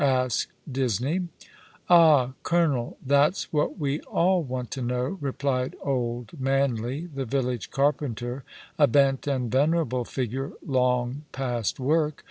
" asked Disney. "Ah, colonel, that's what we all want to know," replied old Manley, the village carpenter, a bent and venerable figure, long past work.